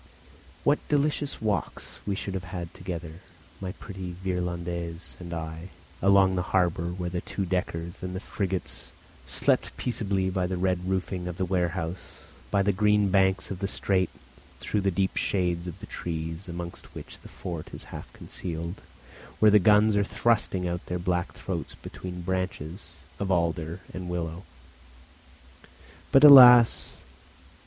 What delicious walks we should have had together, my pretty Virlandaise and I, along the harbour where the two deckers and the frigate slept peaceably by the red roofing of the warehouse, by the green banks of the strait, through the deep shades of the trees amongst which the fort is half concealed, where the guns are thrusting out their black throats between branches of alder and willow. But, alas!